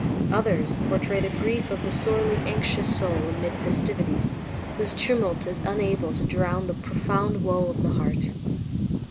Others portray the grief of the sorely anxious soul amid festivities, whose tumult is unable to drown the profound woe of the heart.